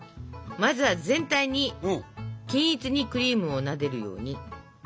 まずは全体に均一にクリームをなでるように塗ってください。